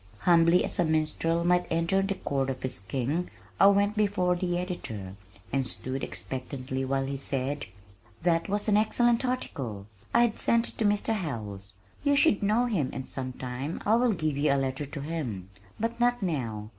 Humbly as a minstrel might enter the court of his king, I went before the editor, and stood expectantly while he said: "That was an excellent article. I have sent it to Mr. Howells. You should know him and sometime I will give you a letter to him, but not now.